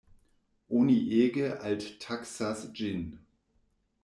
Oni ege alttaksas ĝin.